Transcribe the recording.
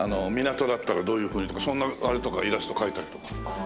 港だったらどういうふうにとかそんなあれとかイラスト描いたりとか。